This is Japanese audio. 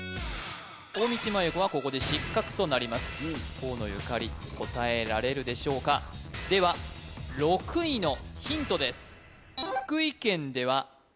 大道麻優子はここで失格となります河野ゆかり答えられるでしょうかでは６位のヒントです